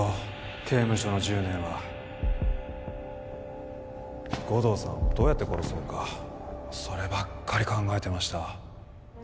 刑務所の１０年は護道さんをどうやって殺そうかそればっかり考えてました